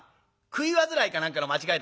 食い煩いか何かの間違いだろ？